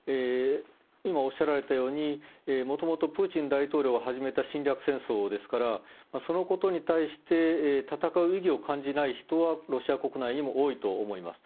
今おっしゃられたように、もともと、プーチン大統領が始めた侵略戦争ですから、そのことに対して戦う意義を感じない人は、ロシア国内にも多いと思います。